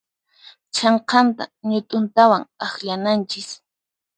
Chhanqanta ñut'untawan akllananchis.